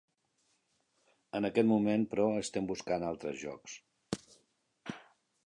En aquest moment, però, estem buscant altres jocs.